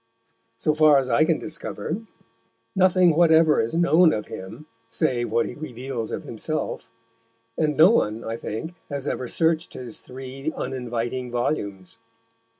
So far as I can discover, nothing whatever is known of him save what he reveals of himself, and no one, I think, has ever searched his three uninviting volumes.